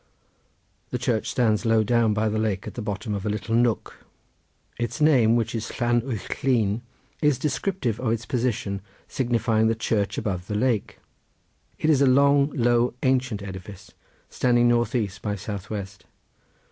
The church stands low down by the lake at the bottom of a little nook. Its name, which is Llan uwch Llyn, is descriptive of its position, signifying the Church above the Lake. It is a long, low, ancient edifice, standing north east by south west.